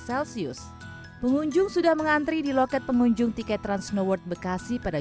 celsius pengunjung sudah mengantri di loket pengunjung tiket transnoworld bekasi pada